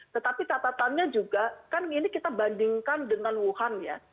tetapi catatannya juga kan ini kita bandingkan dengan wuhan ya